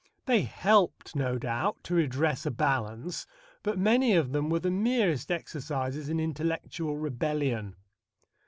They helped, no doubt, to redress a balance, but many of them were the merest exercises in intellectual rebellion.